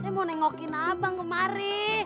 saya mau nengokin abang kemari